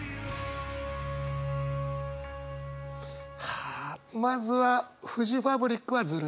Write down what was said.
はあまずはフジファブリックはずるい。